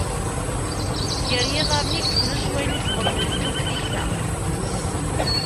Gar yiḍarren i yettnus wayen i yesɣemlen akk tikta.